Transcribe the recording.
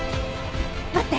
待って！